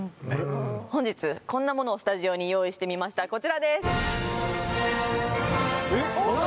本日こんなものをスタジオに用意してみましたこちらですうわ！